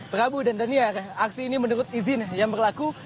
prabu dan daniar aksi ini menurut izin yang berlaku